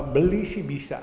beli sih bisa